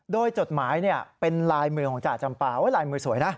โดยจดหมายเป็นลายมือของจ่าจำปาลายมือสวยนะ